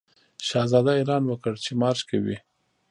شهزاده اعلان وکړ چې مارش کوي.